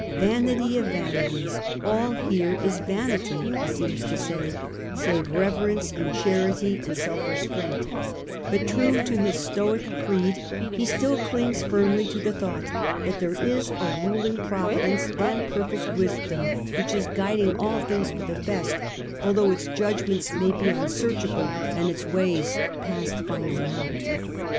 ' Vanity of vanities ! all here is vanity,' he seems to say, 'save reverence and charity and self restraint ;' but clinging Stoic creed, he still clings firmly to also to the the thought that there is a Ruling Providence Ru]iiny°^* and Perfect Wisdom, which is guiding all Providence, things for the best, although its judgments may be unsearchable and its ways past finding out.